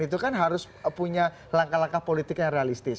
itu kan harus punya langkah langkah politik yang realistis